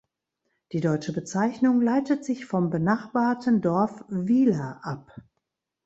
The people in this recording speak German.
Die deutsche Bezeichnung leitet sich vom benachbarten Dorf Wyler ab.